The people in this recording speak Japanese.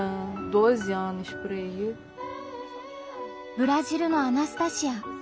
ブラジルのアナスタシア。